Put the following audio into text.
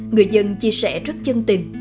người dân chia sẻ rất chân tình